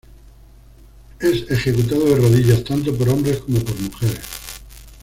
Es ejecutado de rodillas, tanto por hombres como por mujeres.